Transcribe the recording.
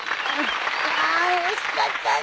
あん惜しかったね。